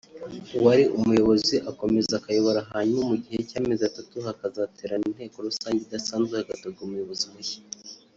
uwari umuyobozi akomeza akayobora hanyuma mu gihe cy’ amezi atatu hakazaterana inteko rusange idasanzwe hagatorwa umuyobozi mushya